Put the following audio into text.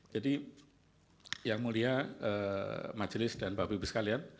jadi yang mulia majelis dan bapak ibu sekalian